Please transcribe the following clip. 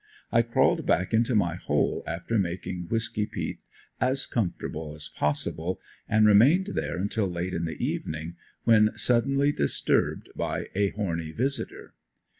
I crawled back into my hole after making Whisky peat as comfortable as possible and remained there until late in the evening, when suddenly disturbed by a horny visitor.